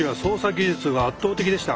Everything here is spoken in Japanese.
技術が圧倒的でした。